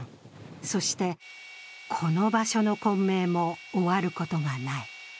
そして、この場所の混迷も終わることがない。